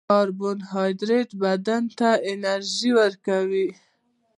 کاربوهایډریټ بدن ته انرژي ورکوي